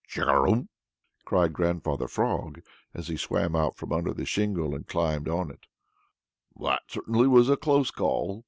"Chugarum!" cried Grandfather Frog, as he swam out from under the shingle and climbed up on it, "That certainly was a close call.